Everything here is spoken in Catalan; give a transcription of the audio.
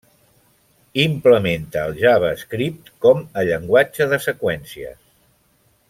Implementa el JavaScript com a llenguatge de seqüències.